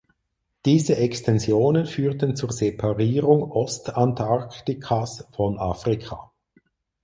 Diese Extensionen führten zur Separierung Ostantarktikas von Afrika.